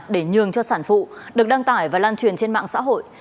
để nhường cho sản phụ được đăng tải và lan truyền trên mạng xã hội